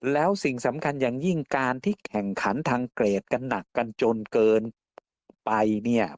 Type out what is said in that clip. แล้วสิ่งสำคัญอย่างยิ่งการที่แข่งขันทางเกรดกันหนักกันจนเกินไปเนี่ย